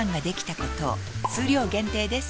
数量限定です